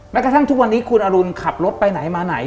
กระทั่งทุกวันนี้คุณอรุณขับรถไปไหนมาไหน